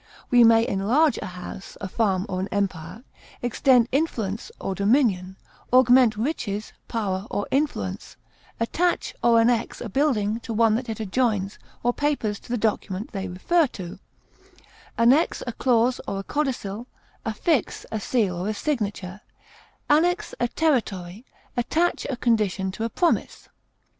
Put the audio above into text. We may enlarge a house, a farm, or an empire, extend influence or dominion, augment riches, power or influence, attach or annex a building to one that it adjoins or papers to the document they refer to, annex a clause or a codicil, affix a seal or a signature, annex a territory, attach a condition to a promise.